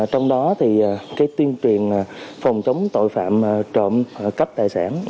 trong đó thì cái tuyên truyền phòng chống tội phạm trộm cắp tài sản